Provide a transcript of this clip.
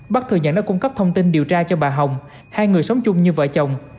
bắc thừa nhận đã cung cấp thông tin điều tra cho bà hồng hai người sống chung như vợ chồng